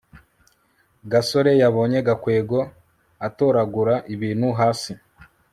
gasore yabonye gakwego atoragura ibintu hasi